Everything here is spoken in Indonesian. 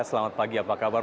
selamat pagi apa kabar